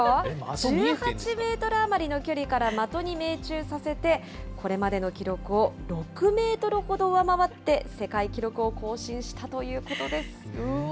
１８メートル余りの距離から的に命中させて、これまでの記録を６メートルほど上回って、世界記録を更新したということです。